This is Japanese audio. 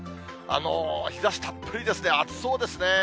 日ざしたっぷりですね、暑そうですね。